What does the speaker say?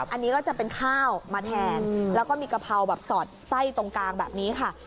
อันนี้ก็จะเป็นข้าวมาแทนแล้วก็มีกะเพราแบบสอดไส้ตรงกลางแบบนี้ค่ะ